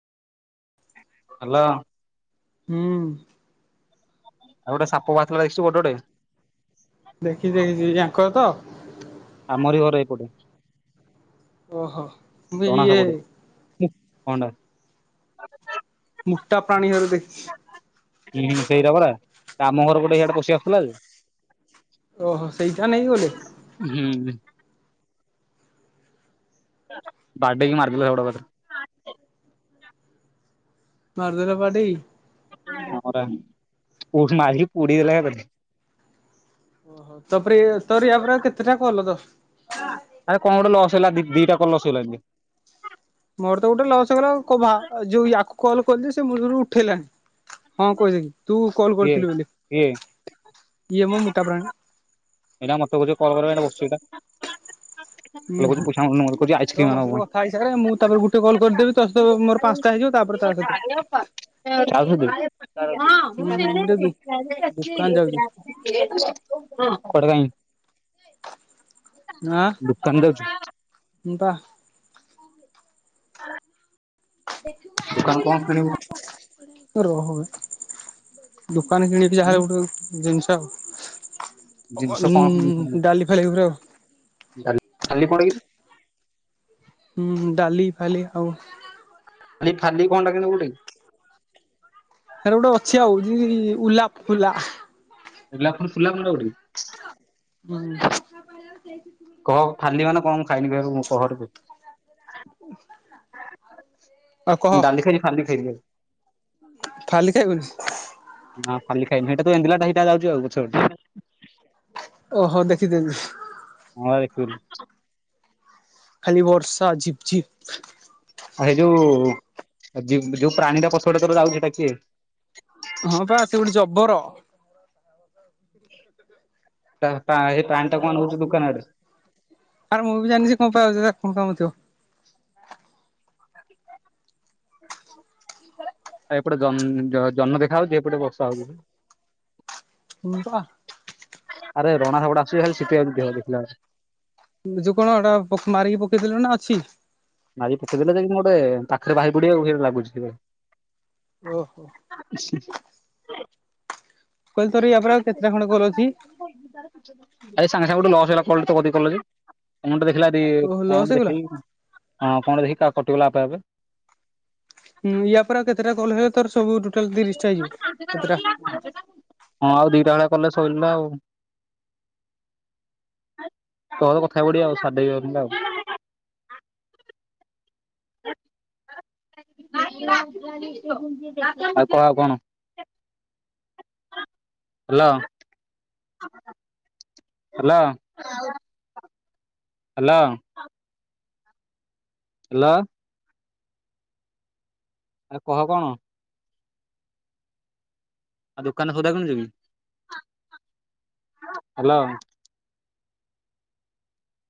Hello ହୁଁ! ଆଉ ଗୋଟେ ସାପ ବାହାରି ଥିଲା ଦେଖିଛୁ ବାଡ଼ଟେ। ହଁ କ [unintelligible] ଆମରି ଘର ଏଇପଟେ। ଓହୋ ବେ ଇଏ ମୁଁ [inaudible] ମୋଟା ପ୍ରାଣୀ ହେର୍ ଦେଖ୍ ହୁଁ! ସେଇଟା ପରା। ଆମ ଘର ପଟେ ୟାଡେ ପଶିଆସୁଥିଲା ଯେ ଓହୋ ସେଇଟା ନେଇଗଲେ। ହୁଁ ବାଡ଼େଇ ମାର୍ଦେଲେ ହ ଗୋଟେ ମାରଦଲା ବାଡେଇ। ହଁ ପରା ମରି ପୋଡି ଦେଲା ଓହୋ! ତାପରେ ତୋର ଆପରେ ଆଉ କେତେଟା କଲ। ଦଶ ଆରେ କଣ ଗୋଟେ ଲସ୍ ହେଲା ଦିଟା କଣ ଲସ ହେଇଲା ମୋର ତ ଗୋଟେ ଲସ ହେଗଲା କ ଯୋଉ ୟାକୁ କଲ କଲି ସେ ମୂଳରୁ ଉଠେଇଲାଣି। ହଁ କହିଥିଲ ତୁ? କିଏ କିଏ? ଇଏମ ମୁଟା ବ୍ରାନ। ଏଇଟା ମତେ ବୋଧେ ବସିଚି ଏଟା। ଲୋ କରି ପଇସା ନବା କ ତ ମୋ ସହିତ କଥା ହେଇସାରେ ମୁଁ ତାପରେ ଗୋଟେ କଲ କରିଦେବି ତ ସହିତ ମୋର ପାଞ୍ଚଟା ହେଇଯିବ ତାପରେ ତା ସହିତ ଆଉ କୋଉଠି? ହୁଁ ମୁଁ ହଁ ଟିକେ ଦୋକାନ ଯାଉଛି [unintelligible] ହ। ଆଁ ପା [unintelligible] ଦୋକାନ କଣ କିଣିବୁ ରହ। ଦୋକାନ କିଣିବି ଉଁ ଯାହାହେଲେ ଗୋଟେ ଜିନିଷ ଜିନିଷ କଣ କିଣିବୁ ଉଁ ଡାଲି ଫାଲି ପୁରା। କାଲି କଣକିରେ? ହୁଁ ଡାଲି ଫାଲି ଆଉ ଖାଲି ଫାଲି କଣ୍ଟା କିରେ ବୁଢ଼ୀ? ଏରେ ଗୋଟେ ଅଛି ଆଉ ଉଲା ଫୁଲା। ମୁଲା ଫଣ ସୁଲା ପୁଣି ଆଉ ଗୋଟେ କଣ ହଁ। କହ ଫାଲି ମାନେ କଣ ମୁଁ ଖାଇନି କହିଲୁ ମୋ କହରେ [unintelligible] ଆଉ କହ ମୁଁ ଡାଲି ଖାଇଲି ଖାଲି ଖାଇଲି। ଫାଲି ଖାଇବିନି। ହଁ ଖାଲି ଖାଇଲି ହେଇଟା ତ [unintelligible] ହେଇଟା ଯାଉଛୁ ଆଉ ପଛ ପଟେ ଓହୋଃ ଦେଖିଦେବି। ଫୁର୍ ଖାଲି ବର୍ଷା ଝିପଝିପ୍ ଆ ସେ ଯୋଉ-ଉ-ଉ ଯୋଉ ପ୍ରାଣୀଟା ପଛପଟେ ତୋର ଯାଉଛି ସେଇଟା କିଏ? ହଁ ପା ସେ ଗୋଟେ ଜବର। ସେଇ ପ୍ରାଣୀଟା କଣ ହଉଛି ଦୋକାନ ଆଡେ ଆରେ ମୁଁ ବି ଜାଣିନି ସେ କଣ ପାଇଁ ଯାଉଛି ତାର କଣ କାମ ଥିବ? [inaudible] ଆ ଏପଟେ ଜନଅ-ଅ ଜହ୍ନ ଦେଖା ହେଉଛି ଏପଟେ ବର୍ଷା ହଉଛି [inaudible] [inaudible] ବାଃ। ଆରେ ରଣା ସେପଟେ ଆସୁଛି [inaudible] ଶିଖିବାକୁ ଦେ ଦେଖିଲାଣି। ଯୋଉ କଣ ହେଟା ପ ମାରିକି ପକେଇଦେଲୁଣି ନା ଅଛି? ମାରିକି ପକେଇଦେଲେ ଯେ [inaudible] ମୁଁ ଗୋଟେ ପାଖରେ ବାହାରି ପଡିବ [inaudible] ଲାଗୁଛି ଟିକେ। ଓହୋଃ କହିଲି ତୋର ୟା ପରେ ଆଉ ଆରେ କେତେଟା ସାଙ୍ଗେ ଖଣ୍ଡେ କଲ୍ ସାଙ୍ଗେ ଅଛି ଗୋଟେ ଲସ୍ ହେଲା। କଲଟେ [inaudible] କତିକି କଲ କି କଣଟା ଦେଖିଲା [inaudible] ଓହୋ କଣ ଲସ୍ ଗୋଟେ ହେଇଗଲା। ଦେଖି କଣ ହଁ କଣଟା ଦେଖି କା କଟିଗଲା ଆପେ ଆପେ। ହୁଁ ୟା ପରେ ଆଉ କେତେଟା କଲ୍ ହୁଏ ତୋର୍ସ ହଁ ଆଉ ଦିଟା [unintelligible] କଲେ ସଇଲା ଆଉ। ତୋର କଥା ବଢିଆ ଆଉ [unintelligible] ହଁ ଆଉ କହ କଣ? ହାଲୋ। Hello, hello. ହାଲୋ। ଆରେ କହ କଣ? ଆଉ ଦୋକାନରେ ସଉଦା କିଣୁଛ କି, ହ୍ୟାଲୋ।